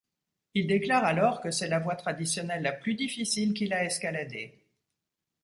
Il déclare alors que c'est la voie traditionnelle la plus difficile qu'il a escaladé.